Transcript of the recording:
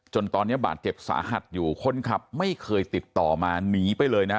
จนตอนนี้บาดเจ็บสาหัสอยู่คนขับไม่เคยติดต่อมาหนีไปเลยนะฮะ